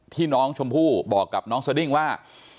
ที่น้องชมพู่บอกกับน้องสดิ้งว่า